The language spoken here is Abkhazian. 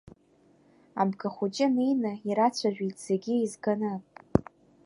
Абгахәыҷы неины ирацәажәеит зегьы еизганы…